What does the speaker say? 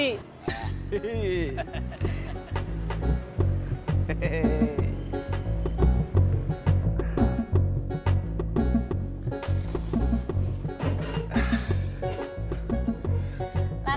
laku banyak pak